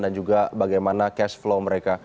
dan juga bagaimana cash flow mereka